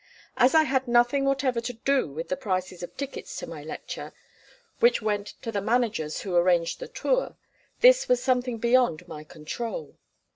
As I had nothing whatever to do with the prices of tickets to my lectures, which went to the managers who arranged the tour, this was something beyond my control.